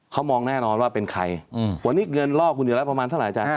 เขามองแน่นอนว่าเป็นใครวันนี้เงินลอกคุณอยู่แล้วประมาณเท่าไหร